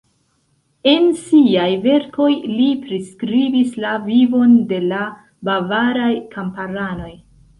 En siaj verkoj li priskribis la vivon de la bavaraj kamparanoj.